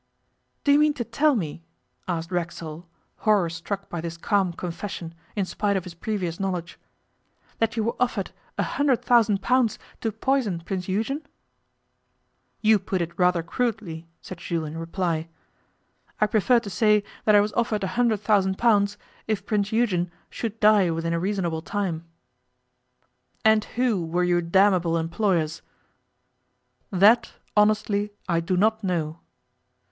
'Do you mean to tell me,' asked Racksole, horror struck by this calm confession, in spite of his previous knowledge, 'that you were offered a hundred thousand pounds to poison Prince Eugen?' 'You put it rather crudely,' said Jules in reply. 'I prefer to say that I was offered a hundred thousand pounds if Prince Eugen should die within a reasonable time.' 'And who were your damnable employers?' 'That, honestly, I do not know.